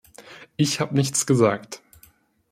Ich hab nichts gesagt.